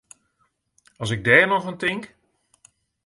As ik dêr noch oan tink!